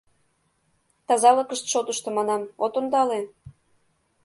— Тазалыкышт шотышто, манам, от ондале?